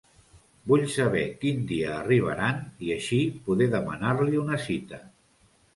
Vull saber quin dia arribaran, i així poder demar-li una cita.